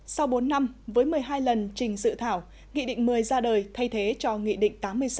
sau bốn năm với một mươi hai lần trình dự thảo nghị định một mươi ra đời thay thế cho nghị định tám mươi sáu